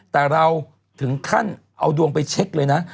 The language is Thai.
แต่เราถึงขั้นเอาดวงไปเช็คเลยนะ